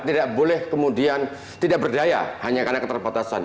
tidak boleh kemudian tidak berdaya hanya karena keterbatasan